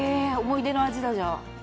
思い出の味だじゃあ。